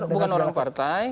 bukan orang partai